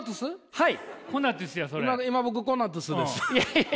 はい。